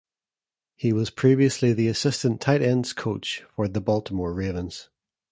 He was previously the assistant tight ends coach for the Baltimore Ravens.